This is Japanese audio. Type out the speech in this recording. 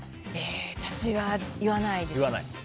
私は言わないです。